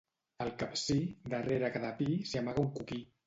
Al Capcir, darrere cada pi s'hi amaga un coquí.